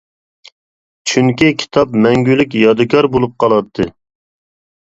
چۈنكى كىتاب مەڭگۈلۈك يادىكار بولۇپ قالاتتى.